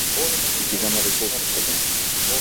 生き様で後悔はしたくない。